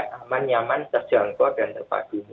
rakyat aman nyaman terjangkau dan terpaksa